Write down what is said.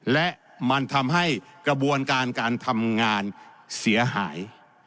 และมันทำให้กระบวนการการทำงานเสียหาย